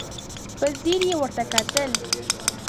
په ځير يې ورته وکتل.